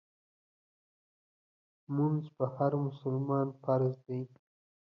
مونځ په هر مسلمان فرض دی